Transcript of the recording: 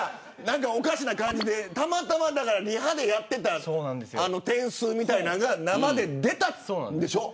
たまたまリハでやっていた点数みたいなのが生で出たんでしょ。